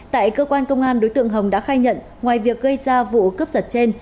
tại cơ quan công an đối tượng hồng đã khai nhận ngoài việc gây ra vụ cướp giật trên